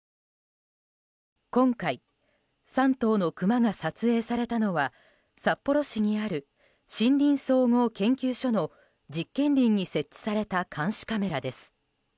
今回３頭のクマが撮影されたのは札幌市にある森林総合研究所の実験林に設置された監視カメラです。